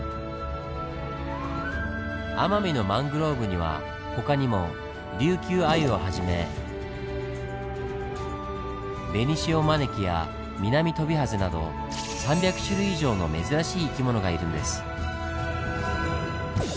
奄美のマングローブには他にもリュウキュウアユをはじめベニシオマネキやミナミトビハゼなど３００種類以上の珍しい生き物がいるんです。